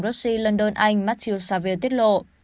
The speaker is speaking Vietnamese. russia london anh matthew xavier tiết lộ